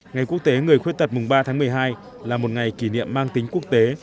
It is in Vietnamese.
ngày quốc tế người khuyết tật mùng ba tháng một mươi hai là một ngày kỷ niệm mang tính quốc tế